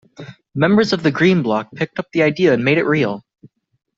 Members of the Green Bloc picked up the idea and made it real.